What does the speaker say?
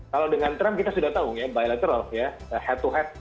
kalau dengan trump kita sudah tahu ya bilateral ya head to head